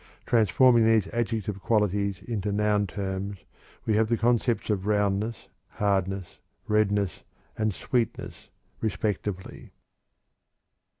Transforming these adjective qualities into noun terms we have the concepts of roundness, hardness, redness, and sweetness, respectively.